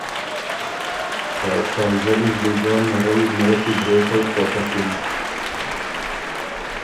ته شائزل اِر دی ګه نرئ نېڒه برېتئ خؤټکِن۔